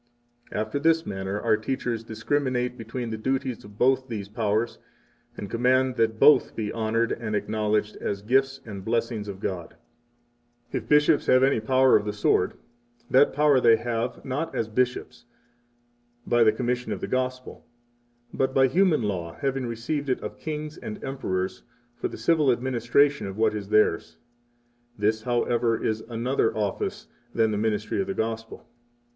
18 After this manner our teachers discriminate between the duties of both these powers, and command that both be honored and acknowledged as gifts and blessings of God. 19 If bishops have any power of the sword, that power they have, not as bishops, by the commission of the Gospel, but by human law having received it of kings and emperors for the civil administration of what is theirs. This, however, is another office than the ministry of the Gospel.